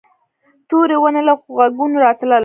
تورې ونې نه غږونه راتلل.